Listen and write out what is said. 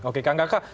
oke kak gakak